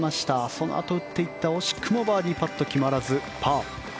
そのあと打っていった惜しくもバーディーパット決まらずパー。